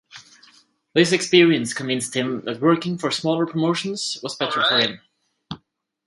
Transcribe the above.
This experience convinced him that working for smaller promotions was better for him.